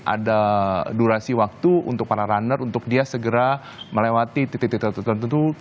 ada durasi waktu untuk para runner untuk dia segera melewati titik titik tertentu